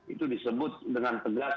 itu disebut dengan tegas